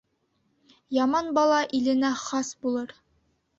Яман бала иленә хас булыр.